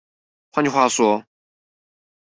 換句話說